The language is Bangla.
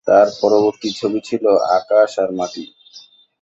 তার পরবর্তী ছবি ছিল "আকাশ আর মাটি"।